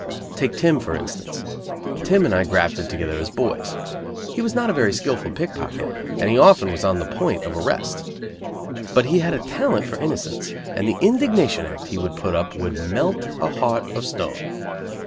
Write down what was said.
Take Tim, for instance. Tim and I grafted together as boys. He was not a very skilful pickpocket, and he often was on the point of arrest; but he had a talent for innocence, and the indignation act he would put up would melt a heart of stone.